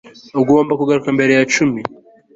ugomba kugaruka mbere ya cumi